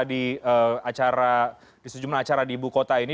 di acara disujumkan acara di ibu kota ini